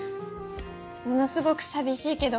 ものすごく寂しいけど。